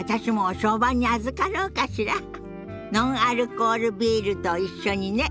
ノンアルコールビールと一緒にね。